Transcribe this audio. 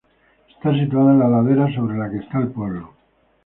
Está situada en la ladera sobre la que está el pueblo.